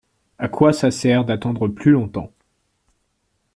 À quoi ça sert d’attendre plus longtemps ?